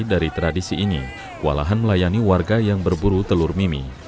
dari tradisi ini walahan melayani warga yang berburu telur mimi